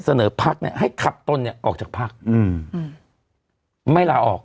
เสนอพลักษณ์เนี้ยให้ขับต้นเนี้ยออกจากพลักษณ์อืมไม่ลาออก